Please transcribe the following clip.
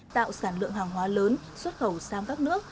tạo sản lượng hàng hóa lớn xuất khẩu sang các nước